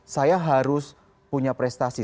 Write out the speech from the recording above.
saya harus punya prestasi